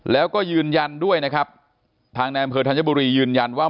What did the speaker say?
แล้วก็ยืนยันด้วยนะครับทางในอำเภอธัญบุรียืนยันว่า